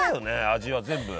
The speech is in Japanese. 味は全部。